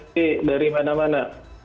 d dari mana mana